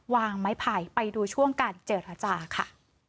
วางไม้ไผ่ไปดูช่วงการเจรจาค่ะ